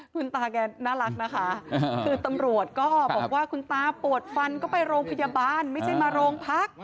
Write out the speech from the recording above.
คุณตาแกน่ารักนะคะคือตำรวจก็บอกว่าคุณตาปวดฟันก็ไปโรงพยาบาลไม่ใช่มาโรงพัก